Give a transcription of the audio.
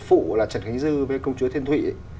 phụ là trần khánh dư với công chúa thiên thụy